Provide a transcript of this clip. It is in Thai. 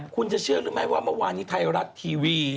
คุณจะเชื่อหรือไม่ว่าเมื่อวานนี้ไทยรัฐทีวี